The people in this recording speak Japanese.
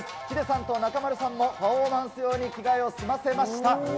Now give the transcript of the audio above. ヒデさんと中丸さんもパフォーマンス用に着替えを済ませました。